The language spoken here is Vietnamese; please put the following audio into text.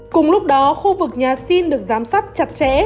cùng lúc đó khu vực nhà xin được giám sát chặt chẽ